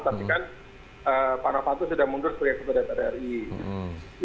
tapi kan para para itu sudah mundur sebagai kepada tri